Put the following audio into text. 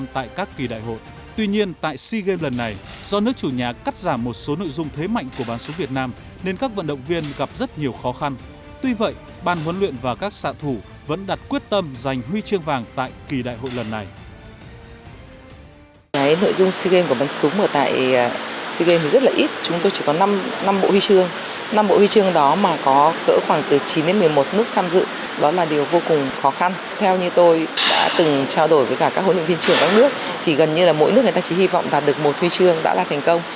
theo như tôi đã từng trao đổi với cả các huấn luyện viên trưởng các nước thì gần như là mỗi nước người ta chỉ hy vọng đạt được một huy chương đã là thành công